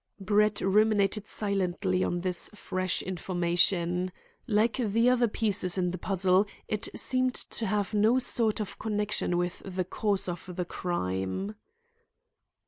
Brett ruminated silently on this fresh information. Like the other pieces in the puzzle, it seemed to have no sort of connection with the cause of the crime.